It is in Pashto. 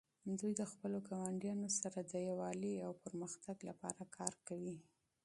دوی د خپلو ګاونډیانو سره د یووالي او پرمختګ لپاره کار کوي.